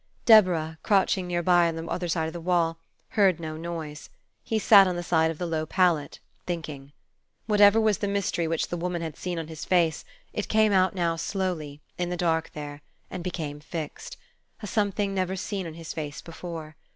Deborah, crouching near by on the other side of the wall, heard no noise. He sat on the side of the low pallet, thinking. Whatever was the mystery which the woman had seen on his face, it came out now slowly, in the dark there, and became fixed, a something never seen on his face before.